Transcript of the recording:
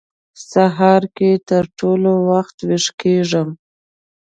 سهار کې تر ټولو وختي وېښ کېږم.